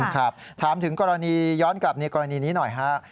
ครับถามถึงกรณีอีกรณีนี้หน่อย